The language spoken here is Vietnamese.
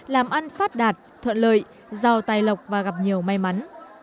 làm ăn phát đạt thuận lợi giàu tài lộc và gặp nhiều may mắn